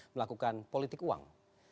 melakukan politik uang